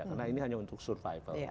karena ini hanya untuk survival